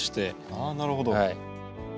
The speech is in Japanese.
ああなるほど。